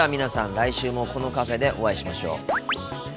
来週もこのカフェでお会いしましょう。